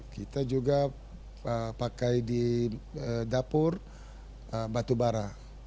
kita juga pakai di dapur batu bara